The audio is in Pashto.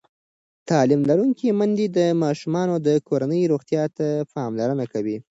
تعلیم لرونکې میندې د ماشومانو د کورنۍ روغتیا ته پاملرنه کوي.